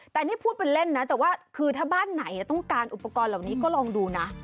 แต่นี่พูดเป็นเล่นนะแต่ว่าคือถ้าบ้านไหนต้องการอุปกรณ์เหล่านี้ก็ลองดูนะ